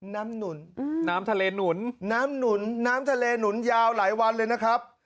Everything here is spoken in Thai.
หนุนน้ำทะเลหนุนน้ำหนุนน้ำทะเลหนุนยาวหลายวันเลยนะครับ